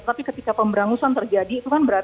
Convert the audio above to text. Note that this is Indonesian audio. tapi ketika pemberangusan terjadi itu kan berat